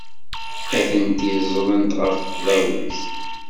Atenti ẓẓlent ɣef tdabut.